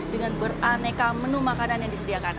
dengan beraneka menu makanan yang disediakan